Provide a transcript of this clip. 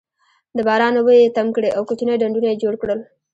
د باران اوبه یې تم کړې او کوچني ډنډونه یې جوړ کړل.